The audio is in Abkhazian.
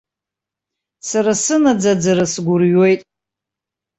Сара сынаӡаӡара сгәырҩоит.